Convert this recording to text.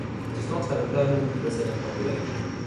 It does not have a permanent resident population.